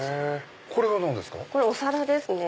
これは何ですか？